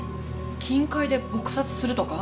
金塊で撲殺するとか？